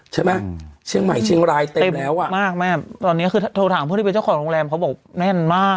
ใช่ไหมเชียงใหม่เชียงรายเต็มแล้วอ่ะมากแม่ตอนเนี้ยคือโทรถามผู้ที่เป็นเจ้าของโรงแรมเขาบอกแน่นมาก